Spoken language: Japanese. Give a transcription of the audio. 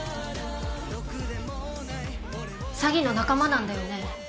詐欺の仲間なんだよね？